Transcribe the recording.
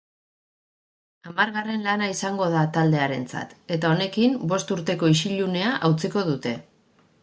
Hamargarren lana izango da taldearentzat, eta honekin bost urteko isilunea hautsiko dute.